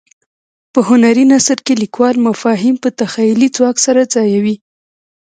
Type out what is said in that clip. په هنري نثر کې لیکوال مفاهیم په تخیلي ځواک سره ځایوي.